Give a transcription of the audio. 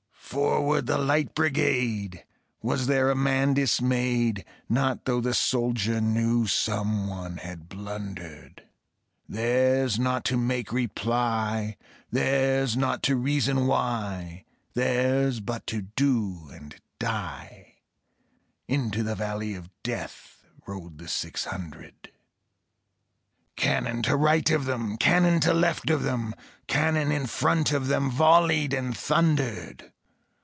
"Forward, the Light Brigade!" Was there a man dismayed? Not though the soldier knew Someone had blundered; Theirs not to make reply, Theirs not to reason why, Theirs but to do and die: Into the valley of Death Rode the six hundred. Cannon to right of them, Cannon to left of them, Cannon in front of them Volleyed and thundered.